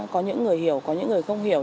có những người hiểu có những người không hiểu